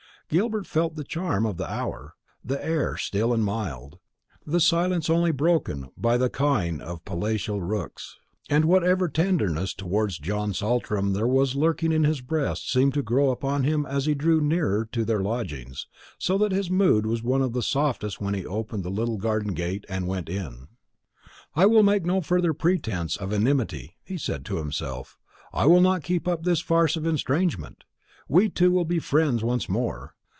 Gilbert felt the charm of the hour; the air still and mild, the silence only broken by the cawing of palatial rooks; and whatever tenderness towards John Saltram there was lurking in his breast seemed to grow upon him as he drew nearer to their lodgings; so that his mood was of the softest when he opened the little garden gate and went in. "I will make no further pretence of enmity," he said to himself; "I will not keep up this farce of estrangement. We two will be friends once more.